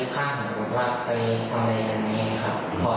พอดูหน่อยค่ะ